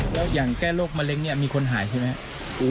แล้วอย่างแก้โรคมะเร็งเนี่ยมีคนหายใช่ไหมครับ